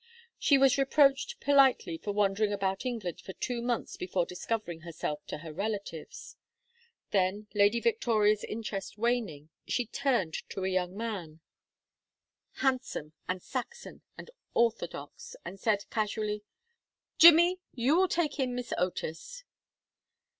She was reproached politely for wandering about England for two months before discovering herself to her relatives; then, Lady Victoria's interest waning, she turned to a young man, handsome and Saxon and orthodox, and said, casually, "Jimmy, you will take in Miss Otis."